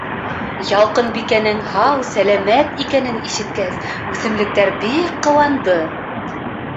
Ялҡынбикәнең һау-сәләмәт икәнен ишеткән үҫемлектәр бик ҡыуанды.